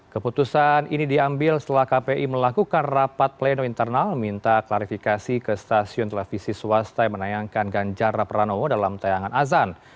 keputusan ini diambil setelah kpi melakukan rapat pleno internal meminta klarifikasi ke stasiun televisi swasta yang menayangkan ganjar raperano dalam tayangan azan